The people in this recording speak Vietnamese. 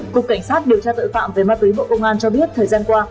cục cảnh sát điều tra tội phạm về ma túy bộ công an cho biết thời gian qua